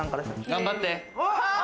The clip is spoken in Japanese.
頑張って。